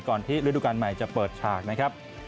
ที่ฤดูการใหม่จะเปิดฉากนะครับ